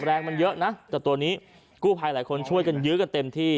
แรงมันเยอะนะเจ้าตัวนี้กู้ภัยหลายคนช่วยกันยื้อกันเต็มที่